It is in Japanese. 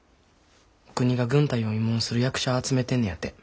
お国が軍隊を慰問する役者集めてんのやて。